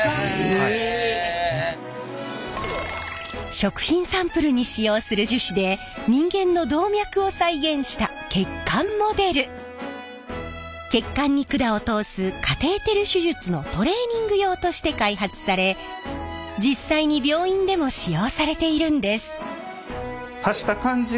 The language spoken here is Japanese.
食品サンプルに使用する血管に管を通すカテーテル手術のトレーニング用として開発され実際に病院でも使用されているんです。